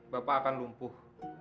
bapak akan lumpuh